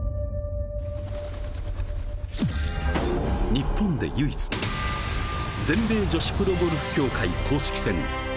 ◆日本で唯一の全米女子プロゴルフ協会公式戦。